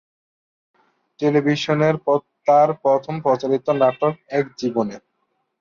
টেলিভিশনের তার প্রথম প্রচারিত নাটক "এক জীবনে"।